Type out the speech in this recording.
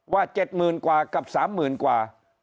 ว่า๗๐กว่ากับ๓๐กว่า